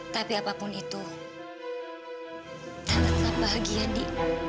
tapi apapun itu tante tetap bahagia ndi